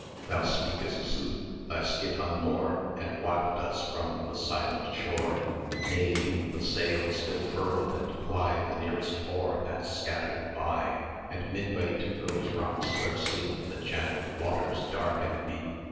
"[dl] "Thou speakest sooth: thy skiff unmoor, And waft us from the silent shore; Nay, leave the sail still furled, and ply The nearest oar that's scattered by, And midway to those rocks where sleep The channelled waters dark and deep.